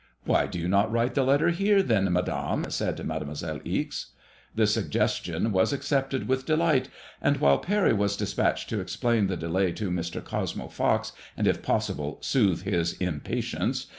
"Why do you not write the letter here, then, Madame 7 " said Mademoiselle Ixe. The suggestion was accepted with delight, and while Parry was despatched to explain the delay to Mr. Cosmo Fox, and if possible soothe his impatience.